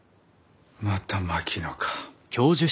また槙野か。